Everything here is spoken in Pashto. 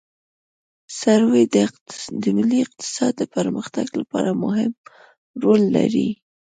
سروې د ملي اقتصاد د پرمختګ لپاره مهم رول لري